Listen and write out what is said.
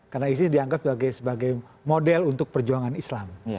karena isis dianggap sebagai model untuk perjuangan islam